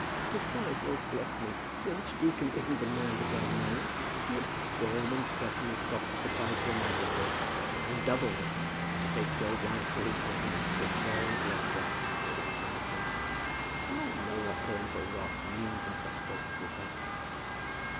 Besides, Lord bless me, the archdeacon isn't the man to bear malice. He'll storm and threaten and stop the supplies for a month or so. Then he'll double them, and take your wife to his bosom, and kiss her and bless her, and all that kind of thing. We all know what parental wrath means in such cases as that."